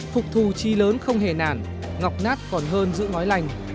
phục thù chi lớn không hề nản ngọc nát còn hơn giữ ngói lành